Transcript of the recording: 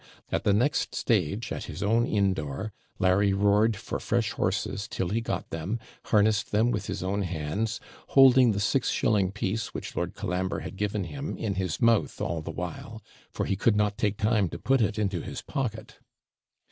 At the next stage, at his own inn door, Larry roared for fresh horses till he got them, harnessed them with his own hands, holding the six shilling piece, which Lord Colambre had given him, in his mouth, all the while; for he could not take time to put it into his pocket.